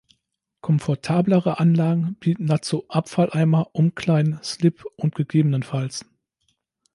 Komfortablere Anlagen bieten dazu Abfalleimer, Umkleiden, Slip und ggf.